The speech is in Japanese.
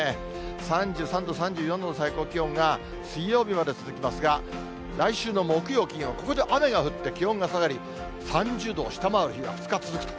３３度、３４度の最高気温が水曜日まで続きますが、来週の木曜、金曜、ここで雨が降って気温が下がり、３０度を下回る日が２日続くと。